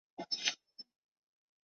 喜欢的艺人是黑木美纱。